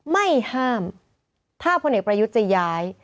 ไม่ห้ามถ้าพลเอกประยุทธ์จะย้าย